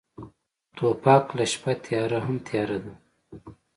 توپک له شپه تیاره هم تیاره دی.